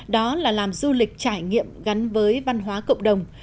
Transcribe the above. đó là làm du lịch trải nghiệm gắn với văn hóa cộng đồng